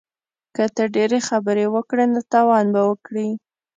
که ته ډیرې خبرې وکړې نو تاوان به وکړې